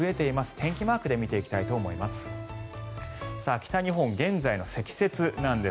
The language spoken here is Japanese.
天気マークで見ていきたいと思います。